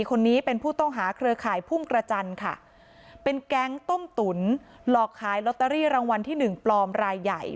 คนนี้เป็นผู้ต้องหาเครือข่ายพุ่งกระจันทร์ค่ะเป็นแก๊งต้มตุ๋นหลอกขายลอตเตอรี่รางวัลที่หนึ่งปลอมรายใหญ่